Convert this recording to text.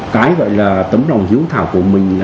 cái gọi là tấm đồng hiếu thảo của mình